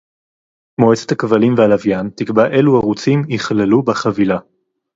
מועצת הכבלים והלוויין תקבע אילו ערוצים ייכללו בחבילה